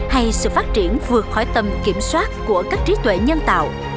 hay sự phát triển vượt khỏi tầm kiểm soát của các trí tuệ nhân tạo